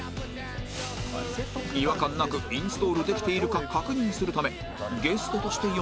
違和感なくインストールできているか確認するため